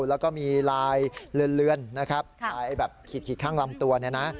แล้วก็มีลายเลือนนะครับลายแบบขีดข้างลำตัวเนี่ยนะ